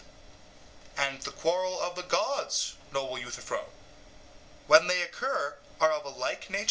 SOCRATES: And the quarrels of the gods, noble Euthyphro, when they occur, are of a like nature?